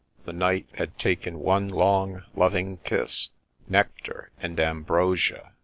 The knight had taken one long, loving kiss — nectar and ambrosia